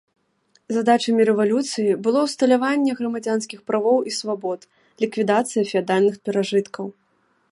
Задачамі рэвалюцыі было ўсталяванне грамадзянскіх правоў і свабод, ліквідацыя феадальных перажыткаў.